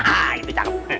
ah itu cakep